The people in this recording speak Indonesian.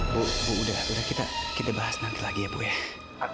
bu udah udah kita bahas nanti lagi ya bu ya